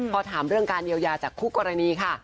พอถามเรื่องการเยียวยาจากคู่กรณีค่ะ